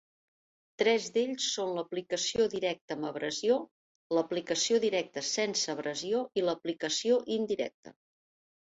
Tres d'ells són l'aplicació directa amb abrasió, l'aplicació directa sense abrasió i l'aplicació indirecta.